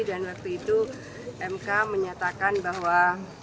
dan waktu itu mk menyatakan bahwa